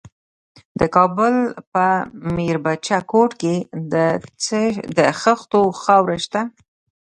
د کابل په میربچه کوټ کې د خښتو خاوره شته.